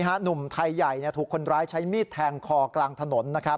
หนุ่มไทยใหญ่ถูกคนร้ายใช้มีดแทงคอกลางถนน